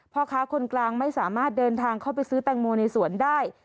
พ่อค้าคนกลางไม่สามารถเดินทางเข้าไปซื้อแตงโมในสวนได้